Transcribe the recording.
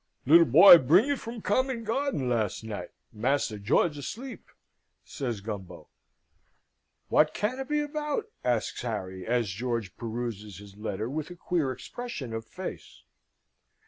"Little boy bring it from Common Garden last night Master George asleep," says Gumbo. "What can it be about?" asks Harry, as George peruses his letter with a queer expression of face.